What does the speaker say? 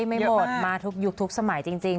ไม่หมดมาทุกยุคทุกสมัยจริง